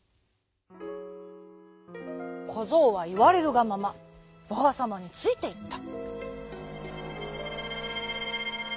こぞうはいわれるがままばあさまについていった。